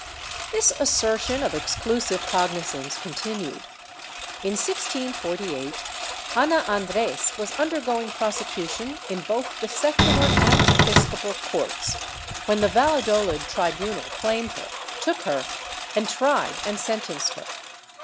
^ This assertion of exclusive cognizance continued. In 1648, Ana Andres was undergoing prosecution in both the secular and episcopal courts, when the ^'alladolid tribunal claimed her, took her and tried and sentenced her.